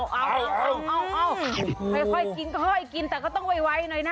เอาค่อยกินค่อยกินแต่ก็ต้องไวหน่อยนะ